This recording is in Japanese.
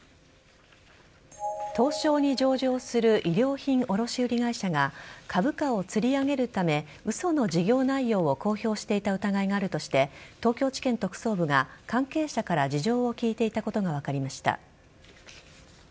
東証に上場する衣料品卸売会社が株価をつり上げるため嘘の事業内容を公表していた疑いがあるとして東京地検特捜部が、関係者から事情を聴いていたことが分かりました。